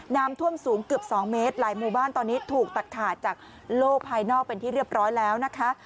น้ำท่วมสูงเกือบ๒เมตรหลายหมู่บ้านตอนนี้ถูกตัดขาดจากโลกภายนอกเป็นที่เรียบร้อยแล้วนะคะ